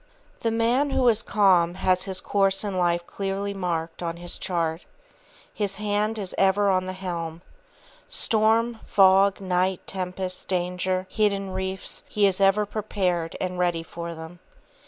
The man who is calm has his course in life clearly marked on his chart. His hand is ever on the helm. Storm, fog, night, tempest, danger, hidden reefs, he is ever prepared and ready for them.